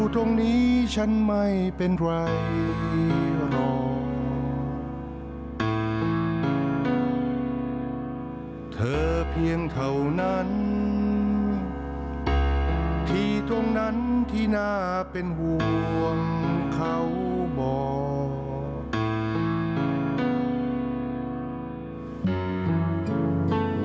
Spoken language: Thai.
ที่ตรงนั้นที่ตรงนั้นที่หน้าเป็นหววงเขาบอก